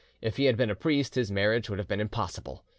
If he had been a priest his marriage would have been impossible.